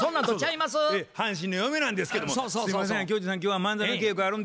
「阪神の嫁なんですけどもすいませんが巨人さん